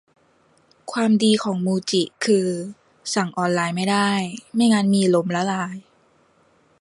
ความดีของมูจิคือสั่งออนไลน์ไม่ได้ ไม่งั้นมีล้มละลาย